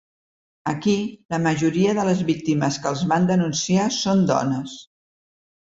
Aquí, la majoria de les víctimes que els van denunciar són dones.